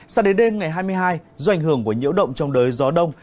sao đến đêm ngày hai mươi hai do ảnh hưởng của nhiễu động trong đới gió đông